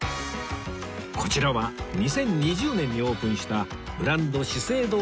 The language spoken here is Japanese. こちらは２０２０年にオープンしたブランド ＳＨＩＳＥＩＤＯ